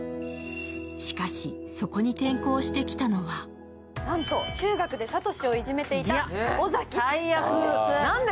しかし、そこに転校してきたのはなんと中学で聡をいじめていた尾崎です。